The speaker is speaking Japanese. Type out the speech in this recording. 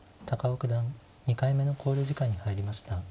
高尾九段２回目の考慮時間に入りました。